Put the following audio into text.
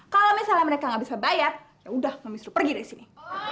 kalau misalnya mereka nggak bisa bayar ya udah kami suruh pergi dari sini